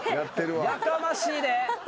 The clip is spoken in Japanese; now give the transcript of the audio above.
やかましいで。